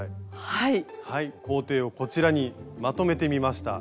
行程をこちらにまとめてみました。